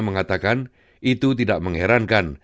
mengatakan itu tidak mengherankan